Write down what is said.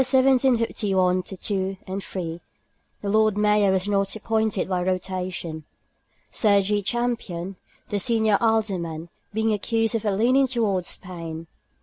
In the years 1751 2 3, the Lord Mayor was not appointed by rotation; Sir G. Champion, the senior Alderman, being accused of a leaning towards Spain.